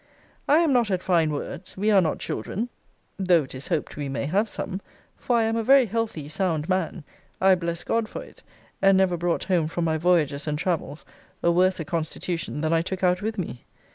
I am not at fine words. We are not children; though it is hoped we may have some; for I am a very healthy sound man. I bless God for it: and never brought home from my voyages and travels a worser constitution than I took out with me.